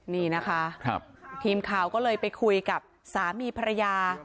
นี่นะคะทีมข่าวก็เลยไปคุยกับสามีภรรยา